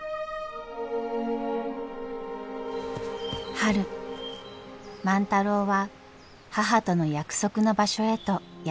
春万太郎は母との約束の場所へとやって来ました。